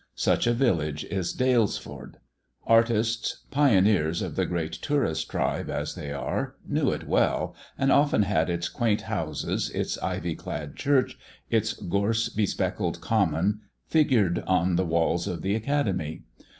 Such a village is Dalesford. Artists, pioneers of the great tourist tribe as they are, knew it well, and often had its quaint houses, its ivy clad church, its gorse besprinkled common figured on the walls of the Academy.